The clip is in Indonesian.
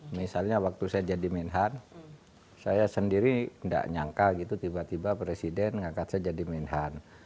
misalnya waktu saya jadi minhan saya sendiri tidak nyangka gitu tiba tiba presiden akan saya jadi minhan